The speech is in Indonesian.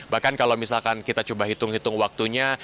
bahkan kalau misalkan kita coba hitung hitung waktunya